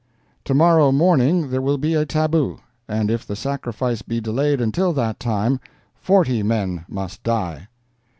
To morrow morning there will be a tabu, and, if the sacrifice be delayed until that time, forty men must die.'